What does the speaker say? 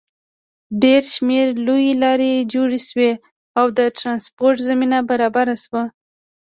ډېر شمېر لویې لارې جوړې شوې او د ټرانسپورټ زمینه برابره شوه.